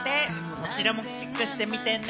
こちらもチェックしてみてね！